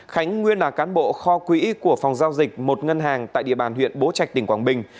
khánh nguyên là cán bộ kho quỹ của phòng giao dịch một ngân hàng tại địa bàn huyện bố trạch tỉnh quảng bình